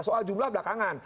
soal jumlah belakangan